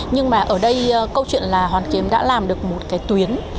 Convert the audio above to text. nhưng mà ở đây câu chuyện là hoàn kiếm đã làm được một cái tuyến